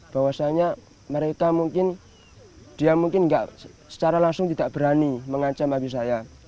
bahwasanya mereka mungkin dia mungkin secara langsung tidak berani mengancam abis saya